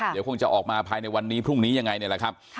เดี๋ยวคงจะออกมาภายในวันนี้พรุ่งนี้ยังไงนี่แหละครับ